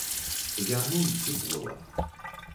Я нуль, ці кола.